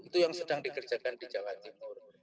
itu yang sedang dikerjakan di jawa timur